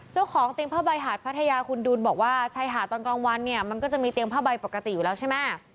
เจ้าของเตียงผ้าใบหาดพัทยาคุณดุลบอกว่าชายหาดตอนกลางวันเนี่ยมันก็จะมีเตียงผ้าใบปกติอยู่แล้วใช่ไหม